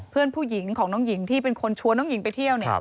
เพื่อนผู้หญิงของน้องหญิงที่เป็นคนชวนน้องหญิงไปเที่ยวเนี่ย